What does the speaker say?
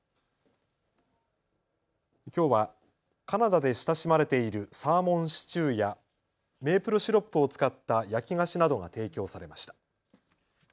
きょうはカナダで親しまれているサーモンシチューやメープルシロップを使った焼き菓子などが提供されました。